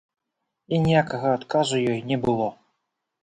І ніякага адказу ёй не было.